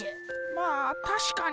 まあたしかに。